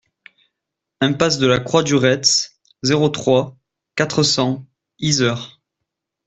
Impasse de la Croix du Retz, zéro trois, quatre cents Yzeure